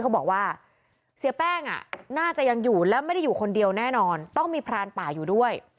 เขาบอกว่าเสียแป้งน่าจะยังอยู่และไม่ได้อยู่คนเดียวแน่นอนต้องมีพรานป่าอยู่ด้วย